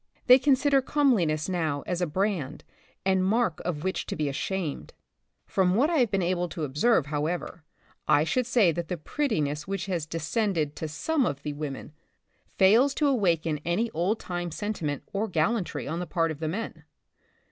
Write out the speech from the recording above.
They consider comeliness now as a brand and mark of which to be ashamed. From what I have been able to observe, however, I should say that the prettiness which has descended to some of the The Republic of the Future, 37 women fails to awaken any old time sentiment or gallantry on the part of the men.